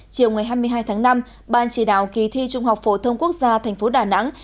chiều ngày hai mươi hai tháng năm ban chỉ đạo kỳ thi trung học phổ thông quốc gia thành phố đà nẵng